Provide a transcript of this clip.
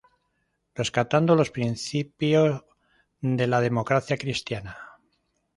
Rescatando los principio de la Democracia Cristiana.